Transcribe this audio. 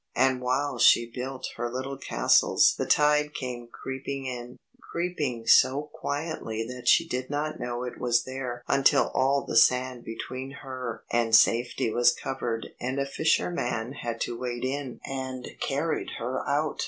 And while she built her little castles the tide came creeping in, creeping so quietly that she did not know it was there until all the sand between her and safety was covered and a fisherman had to wade in and carry her out.